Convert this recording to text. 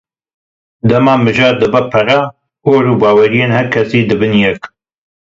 Dema mijar dibe pere, ol û baweriyên her kesî dibin yek.